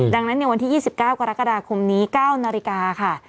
ดังนั้นในวันที่๒๙กรกฎาคมนี้๙นาฬิกาค่ะ